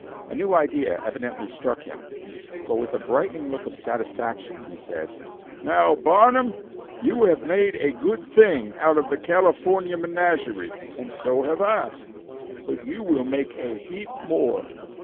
A new idea evidently struck him, for, with a brightening look of satisfaction, he said: "Now, Barnum, you have made a good thing out of the California menagerie, and so have I; but you will make a heap more.